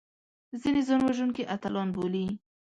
ځینې ځانوژونکي اتلان بولي